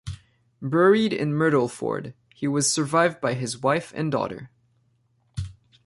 Buried in Myrtleford, he was survived by his wife and daughter.